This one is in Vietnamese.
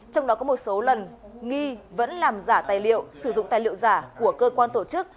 trong đó có một số lần nghi vẫn làm giả tài liệu sử dụng tài liệu giả của cơ quan tổ chức